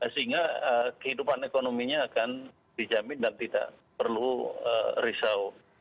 sehingga kehidupan ekonominya akan dijamin dan tidak perlu risau